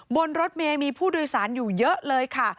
บนรถเมย์มีผู้โดยสารอยู่เยอะเลยค่ะ